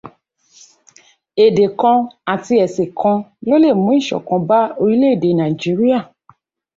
Èdè kan àti ẹ̀sìn kan ló lè mú ìṣọ̀kan bá orílẹ̀ èdè Nàìjíríà.